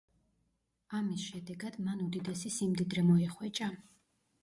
ამის შედეგად მან უდიდესი სიმდიდრე მოიხვეჭა.